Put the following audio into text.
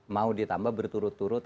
mau ditambah berturut turut